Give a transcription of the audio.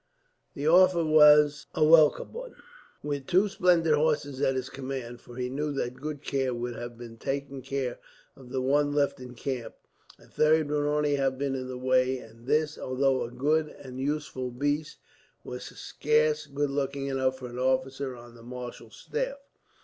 The offer was a welcome one. With two splendid horses at his command for he knew that good care would have been taken of the one left in camp a third would only have been in the way; and this, although a good and useful beast, was scarce good looking enough for an officer on the marshal's staff.